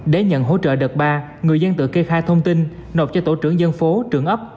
để nhận hỗ trợ đợt ba người dân tự kê khai thông tin nộp cho tổ trưởng dân phố trưởng ấp